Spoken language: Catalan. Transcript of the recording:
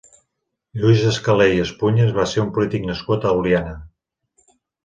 Lluís Escaler i Espunyes va ser un polític nascut a Oliana.